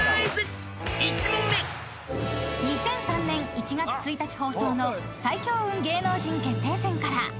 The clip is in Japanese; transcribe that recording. ［２００３年１月１日放送の『最強運芸能人決定戦』から］